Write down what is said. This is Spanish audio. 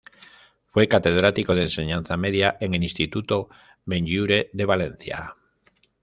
Fue catedrático de enseñanza media en el instituto Benlliure, de Valencia.